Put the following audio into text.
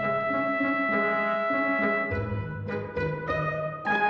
emang bilang emaknya udah kebanyakan emaknya udah kebanyakan